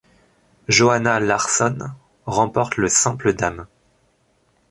Johanna Larsson remporte le simple dames.